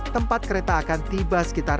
tempat kereta akan tiba sekitar tiga km